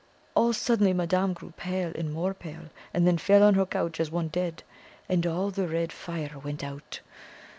All suddenly, madame grew pale and more pale, and then fell on her couch as one dead, and all the red fire went out.